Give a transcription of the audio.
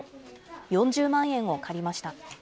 ４０万円を借りました。